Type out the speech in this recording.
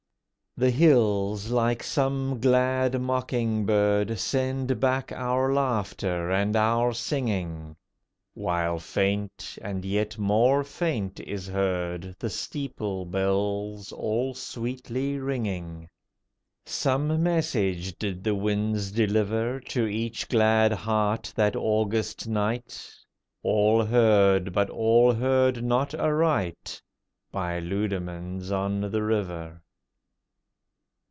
The hills, like some glad mocking bird, Send back our laughter and our singing, While faint—and yet more faint is heard The steeple bells all sweetly ringing. Some message did the winds deliver To each glad heart that August night, All heard, but all heard not aright, By Leudemanns on the River.